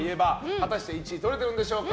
果たして１位を取れてるんでしょうか。